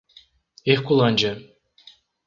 Herculândia